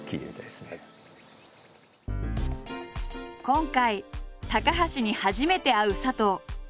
今回高橋に初めて会う佐藤。